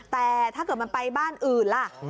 แต่ถ้าเกิดมันไปบ้านอื่นล่ะ